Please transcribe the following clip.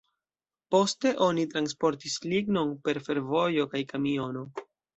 Poste oni transportis lignon per fervojo kaj kamionoj.